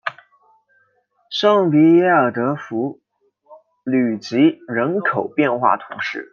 圣皮耶尔德弗吕吉人口变化图示